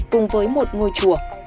cùng với một ngôi chùa